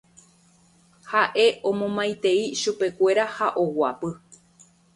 Haʼe omomaitei chupekuéra ha oguapy.